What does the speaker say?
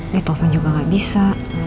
ditovan juga gak bisa